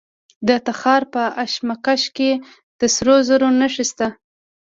د تخار په اشکمش کې د سرو زرو نښې شته.